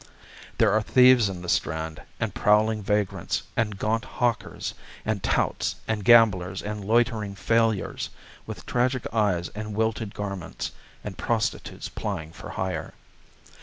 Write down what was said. There are thieves in the Strand, and prowling vagrants, and gaunt hawkers, and touts, and gamblers, and loitering failures, with tragic eyes and wilted garments; and prostitutes plying for hire.